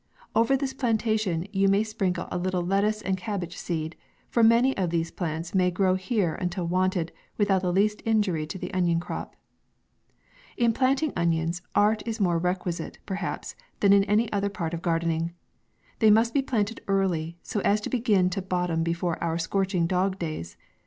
Over this plan tation you may sprinkle a little lettuce and cabbage seed, for many of these plants may grow here until wanted, without the least injury to the onion crop. In planting onions, art is more requisite, perhaps, than in any other part of gardening. They must be planted early, so as to begin to bottom before our scorching dog days.